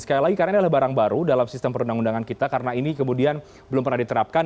sekali lagi karena ini adalah barang baru dalam sistem perundang undangan kita karena ini kemudian belum pernah diterapkan